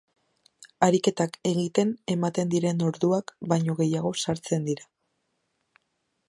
Ariketak egiten ematen diren orduak baino gehiago sartzen dira.